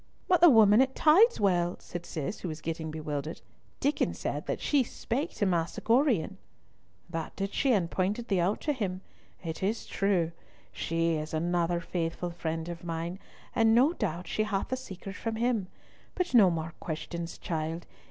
"But the woman at Tideswell," said Cis, who was getting bewildered—"Diccon said that she spake to Master Gorion." "That did she, and pointed thee out to him. It is true. She is another faithful friend of mine, and no doubt she had the secret from him. But no more questions, child.